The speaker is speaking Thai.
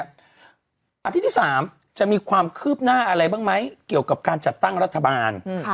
อาทิตย์ที่๓จะมีความคืบหน้าอะไรบ้างไหมเกี่ยวกับการจัดตั้งรัฐบาล